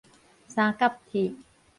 三敆鐵